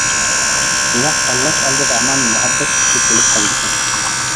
بىراق، تاللاش ئالدىدا ھامان مۇھەببەت كۈچلۈك كېلىپ قالىدىكەن.